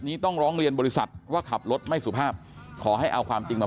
ต้องร้องเรียนบริษัทว่าขับรถไม่สุภาพขอให้เอาความจริงมา